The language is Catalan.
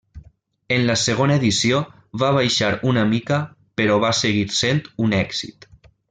En la segona edició va baixar una mica però va seguir sent un èxit.